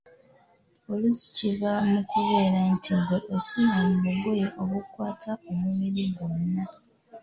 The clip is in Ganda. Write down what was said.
Oluusi kiva mu kubeera nti ggwe osula mu bugoye obukukwata omubiri gwonna.